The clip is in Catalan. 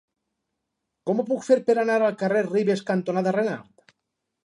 Com ho puc fer per anar al carrer Ribes cantonada Renart?